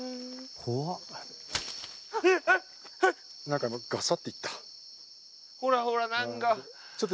なんか今ガサッていった。